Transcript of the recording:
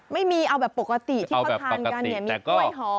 ไม่มีเอาแบบปกติที่เขาทานกันมีกล้วยหอมโชคเคล็ด